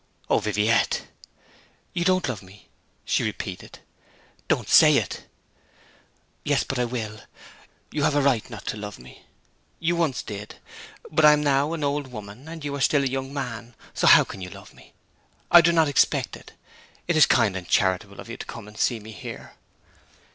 'O Viviette!' 'You don't love me,' she repeated. 'Don't say it!' 'Yes, but I will! you have a right not to love me. You did once. But now I am an old woman, and you are still a young man; so how can you love me? I do not expect it. It is kind and charitable of you to come and see me here.'